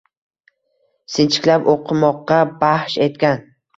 sinchiklab, uqmoqqa bahsh etgan